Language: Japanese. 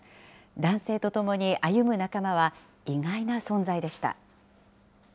男性と共に歩む仲間は、意外な存在でした。